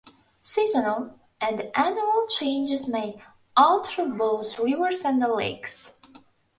Seasonal and annual changes may alter both rivers and lakes.